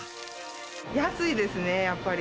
安いですね、やっぱり。